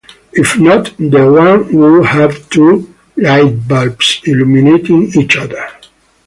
If not, then one would have two lightbulbs illuminating each other.